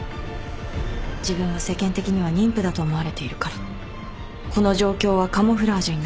自分は世間的には妊婦だと思われているからこの状況はカムフラージュになる。